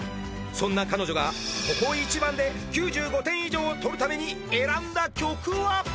そんな彼女がここ一番で９５点以上をとるために選んだ曲は？